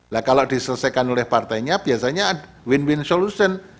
nah kalau diselesaikan oleh partainya biasanya ada win win solution